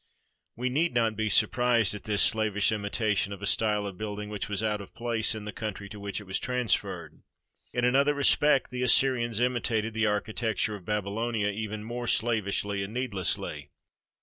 We need not be surprised at this slavish imitation of a style of building which was out of place in the country to which it was transferred. In another respect the Assyrians imitated the architecture 476 HOW ASSYRIANS AND BABYLONIANS LIVED of Babylonia even more slavishly and needlessly.